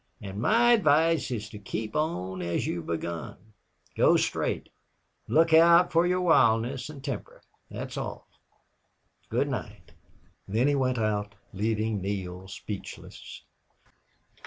And my advice is keep on as you've begun go straight look out for your wildness and temper.... That's all. Good night." Then he went out, leaving Neale speechless.